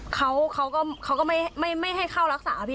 เขาก็ไม่ให้เข้ารักษาพี่